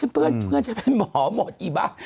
เพื่อนฉันเป็นหมอหมดอีบ้า